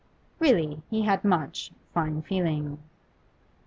Really, he had much fine feeling.